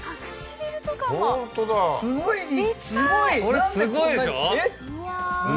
これすごいでしょ。